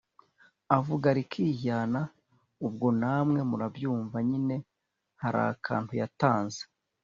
avuga rikijyana, ubwo namwe murabyumva nyine harakantu yatanze